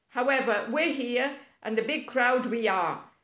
However, we're here, and a big crowd we are.